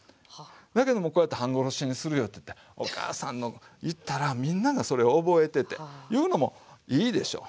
だけどもこうやって「半殺しにするよ」って言ってお母さん言ったらみんながそれを覚えてていうのもいいでしょ。